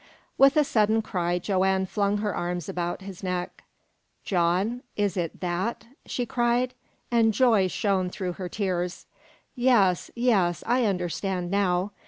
With a sudden cry Joanne flung her arms about his neck. "John, is it that?" she cried, and joy shone through her tears. "Yes, yes, I understand now!